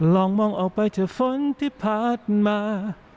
ลองมองออกไปเถอะฝนที่ผ่านมา